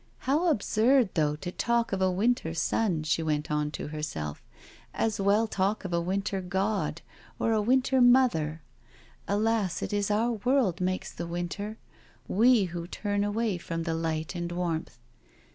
" How absurd though to talk of a winter sun, she went on to herself, " as well talk of a winter God or a winter mother. Alas I it is our world makes the winter — we who turn away from the light and warmth.